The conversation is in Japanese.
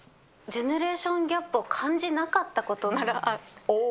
ジェネレーションギャップを感じなかった？